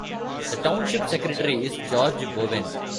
The Township Secretary is George Bowen.